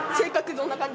どんな感じ？